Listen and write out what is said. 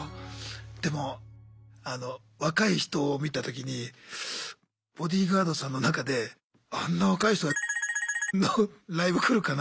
でもあの若い人を見た時にボディーガードさんの中であんな若い人がのライブ来るかなって。